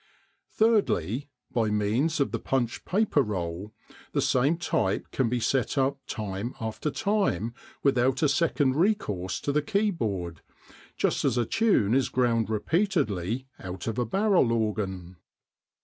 Thirdly, by means of the punched paper roll, the same type can be set up time after time without a second recourse to the keyboard, just as a tune is ground repeatedly out of a barrel organ.